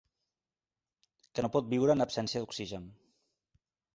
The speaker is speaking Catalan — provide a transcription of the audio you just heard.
Que no pot viure en absència d'oxigen.